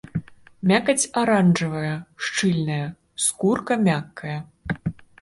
Мякаць аранжавая, шчыльная, скурка мяккая.